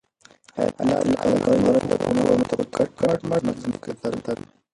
حیات الله د قمرۍ د پښو نښو ته په کټ مټه ځمکه کې کتل.